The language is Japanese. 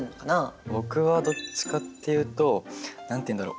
僕はどっちかっていうと何て言うんだろう